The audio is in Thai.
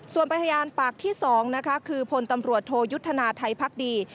ส่วนพยานปากที่๒นะคะคือพลตำรวจโทยุทธนาไทยพักดี